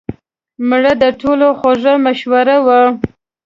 مړه د ټولو خوږه مشوره وه